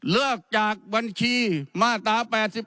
เลิกจากบัญชีมาตรา๘๘